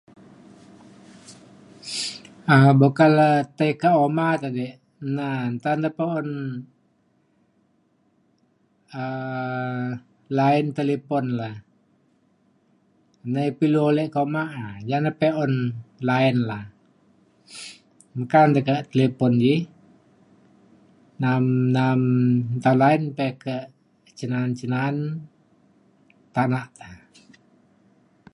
um buk ka le tai kak uma te di, na nta na pa un um line talipon le. nai pa ilu ulek ke uma um ja na be’un line la’a. meka lu te kak talipon ji na’am na’am nta line tai kak cin na’an cin na’an tanak ta.